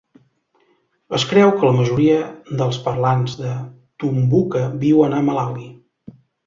Es creu que la majoria dels parlants de Tumbuka viuen a Malawi.